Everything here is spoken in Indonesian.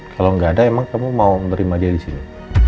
kalau nggak ada emang kamu mau nerima dia di sini